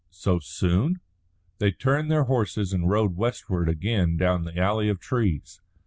"So soon?" They turned their horses and rode westward again down the alley of trees.